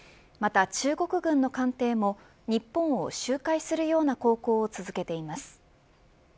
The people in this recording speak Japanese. また中国軍の艦艇も日本を周回するような航行を続けています。